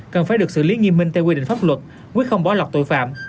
cần phải được xử lý nghiêm minh theo quy định pháp luật quyết không bỏ lọt tội phạm